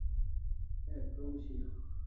Ek krom shiau